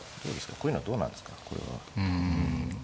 こういうのはどうなんですかこれは。うん。